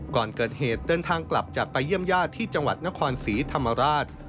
ก่อนเกิดเหตุเดินทางกลับจากไปเยี่ยมญาติที่จังหวัดนครศรีธรรมราช